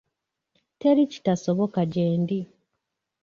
Teri kitasoboka gyendi.